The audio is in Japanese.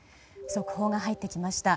速報が入ってきました。